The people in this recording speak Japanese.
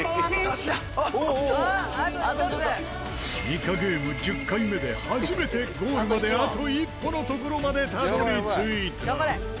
ニカゲーム１０回目で初めてゴールまであと一歩の所までたどり着いた。